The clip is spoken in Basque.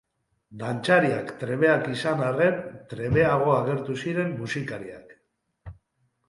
Dantzariak trebeak izan arren, trebeago agertu ziren musikariak.